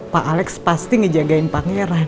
pak alex pasti ngejagain pangeran